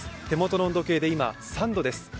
手元の温度計で今、３度です。